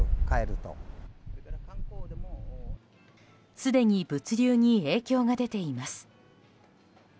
すでに物流に影響が出ています。